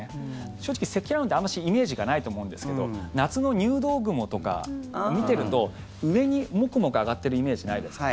正直、積乱雲ってあんまりイメージがないと思うんですけど夏の入道雲とか見てると上にモクモク上がっているイメージないですか。